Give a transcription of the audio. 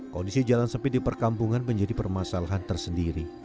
kondisi jalan sempit di perkampungan menjadi permasalahan tersendiri